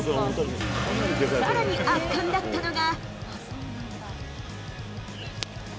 さらに圧巻だったのが。